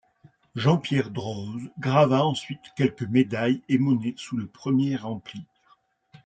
Jean-Pierre Droz grava ensuite quelques médailles et monnaies sous le Ier Empire.